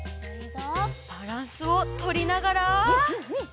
バランスをとりながら。